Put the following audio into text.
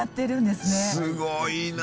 すごいな。